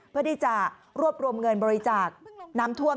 เพื่อที่จะรวบรวมเงินบริจาคน้ำท่วม